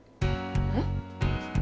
えっ？